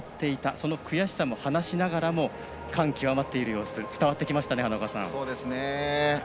その悔しさも話しながらも感極まっている様子伝わってきましたね。